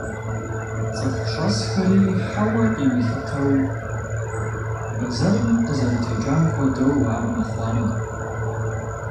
ЦӀыху щӀэсхэри хьэуэ имылъытэу, бэзэрым къызэрытекӀам хуэдэу ар мэхъуанэ.